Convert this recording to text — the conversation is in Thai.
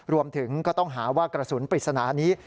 ก็มีการเตรียมแถลงสรุปสถานการณ์ที่เกิดขึ้นด้วย